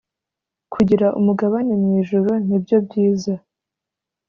Kugira umugabane mu ijuru nibyo byiza